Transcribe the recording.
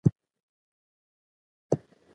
خپلې باربېنې تړي او سفر هم پاى ته رسي.